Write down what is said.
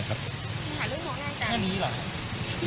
หน้านี้หรอครับ